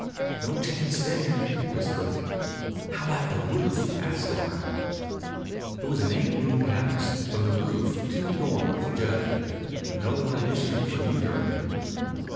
"No chance there," he whispered. "How about the roof?" asked Hart. It was an eight roomed house. From the roof two dormers jutted. No light issued from either of them.